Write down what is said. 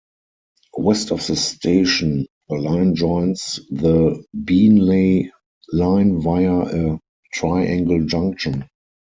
West of the station, the line joins the Beenleigh line via a triangle junction.